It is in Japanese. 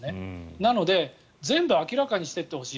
なので全部明らかにしていってほしい。